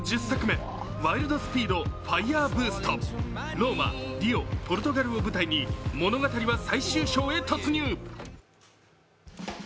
ローマ、リオ、ポルトガルを舞台に物語は最終章へ突入。